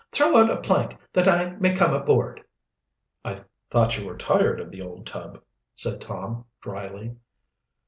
"Throw out a plank that I may come onboard." "Thought you were tired of the old tub," said Tom dryly.